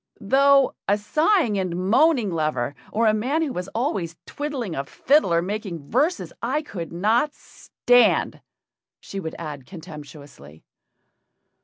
"Though a sighing and moaning lover, or a man who is always twiddling a fiddle or making verses I could not stand," she would add contemptuously.